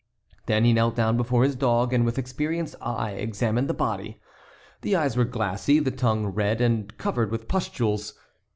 Then he knelt down before his dog and with experienced eye examined the body. The eyes were glassy, the tongue red and covered with pustules.